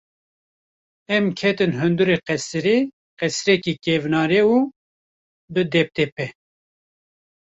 Em ketin hundirê qesirê; qesirekê kevnare û bi depdepe.